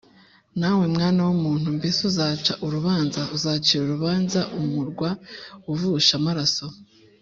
Nawe mwana w’umuntu, mbese uzaca urubanza, uzacira urubanza umurwa uvusha amaraso?